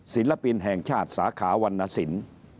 ศิลปินแห่งชาติสาขาวรรณสิน